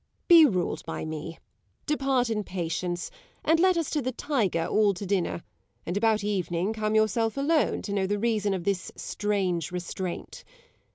Be ruled by me: depart in patience, And let us to the Tiger all to dinner; 95 And about evening come yourself alone To know the reason of this strange restraint.